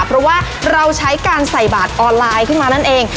เพราะว่าเราใช้การใส่บาทออนไลน์ขึ้นมานั่นเอง